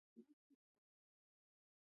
ادب د تمدن نښه ده.